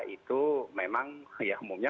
itu memang ya umumnya